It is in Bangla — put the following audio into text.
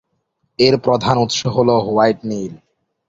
এর প্রধান উৎস হ'ল হোয়াইট নীল।